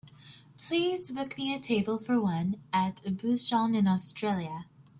Please book me a table for one at Bouchon in Australia.